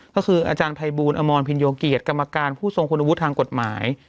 ก็คืออาจารย์ภัยบูลอมรพินโยเกียรติกรรมการผู้ทรงคุณวุฒิทางกฎหมาย